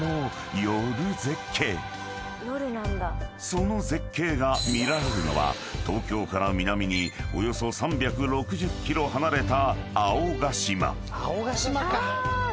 ［その絶景が見られるのは東京から南におよそ３６０ｋｍ離れた］